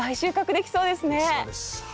できそうですはい。